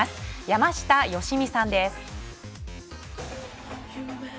山下良美さんです。